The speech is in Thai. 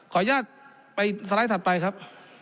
ขออนุญาตไปสไลด์ถัดไปครับ